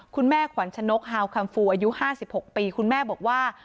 ขวัญชนกฮาวคัมฟูอายุ๕๖ปีคุณแม่บอกว่า